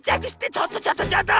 ちょっとちょっとちょっと！